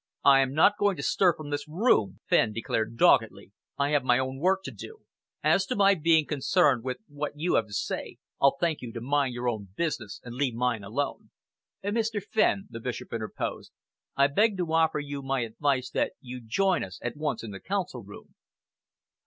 "I am not going to stir from this room," Fenn declared doggedly. "I have my own work to do. And as to my being concerned with what you have to say, I'll thank you to mind your own business and leave mine alone." "Mr. Fenn," the Bishop interposed, "I beg to offer you my advice that you join us at once in the Council room."